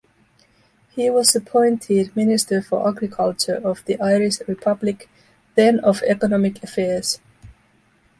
He was appointed Minister for Agriculture of the Irish Republic, then of Economic Affairs.